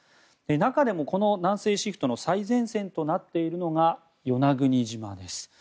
中でも、南西シフトの最前線となっているのが与那国島です。